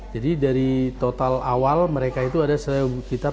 jadi dari total awal mereka itu ada sekitar delapan puluh